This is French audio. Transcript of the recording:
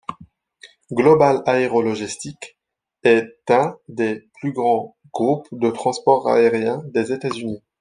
Global Aero Logistics est un des plus grands groupes de transport aérien des États-Unis.